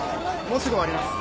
もうすぐ終わります。